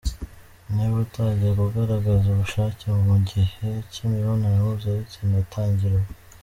Niba utajyaga ugaragaza ubushake mu gihe cy’imibonano mpuzabitsina ,tangira ubu.